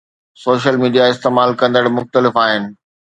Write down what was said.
social media استعمال ڪندڙ مختلف آهن